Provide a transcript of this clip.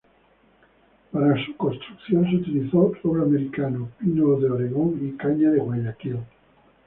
Para su construcción se utilizó roble americano, pino oregón y caña de Guayaquil.